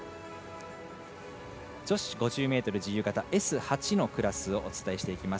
女子５０ｍ自由形Ｓ８のクラスをお伝えします。